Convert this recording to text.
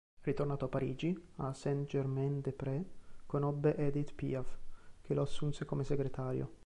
Ritornato a Parigi, a Saint-Germain-des-Prés conobbe Edith Piaf, che lo assunse come segretario.